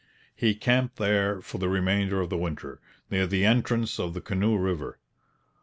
He camped there for the remainder of the winter, near the entrance of the Canoe River.